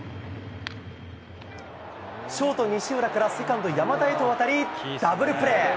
ショート西浦からセカンド山田へと渡りダブルプレー。